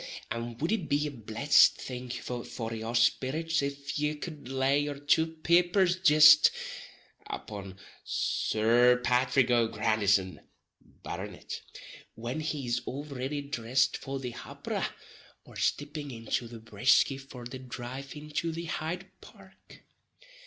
Och! and wouldn't it be a blessed thing for your spirrits if ye cud lay your two peepers jist, upon Sir Pathrick O'Grandison, Barronitt, when he is all riddy drissed for the hopperer, or stipping into the Brisky for the drive into the Hyde Park.